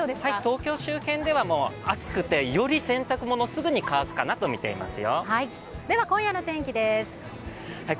東京周辺では、暑くて、より洗濯物、すぐ乾くかなとみています。